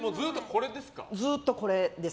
ずっとこれです。